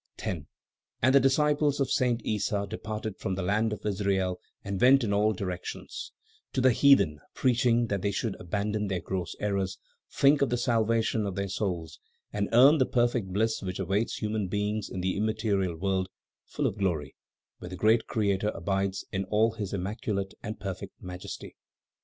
10. And the disciples of Saint Issa departed from the land of Israel and went in all directions, to the heathen, preaching that they should abandon their gross errors, think of the salvation of their souls and earn the perfect bliss which awaits human beings in the immaterial world, full of glory, where the great Creator abides in all his immaculate and perfect majesty.